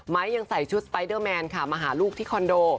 ยังใส่ชุดสไปเดอร์แมนค่ะมาหาลูกที่คอนโด